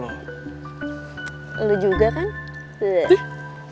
lo juga kan